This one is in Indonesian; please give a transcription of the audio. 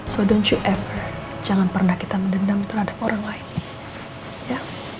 so don't you ever jangan pernah kita mendendam terhadap orang lain ya